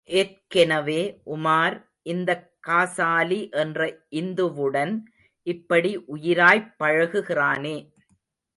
ஏற்கெனவே, உமார், இந்தக் காசாலி என்ற இந்துவுடன் இப்படி உயிராய்ப் பழகுகிறானே.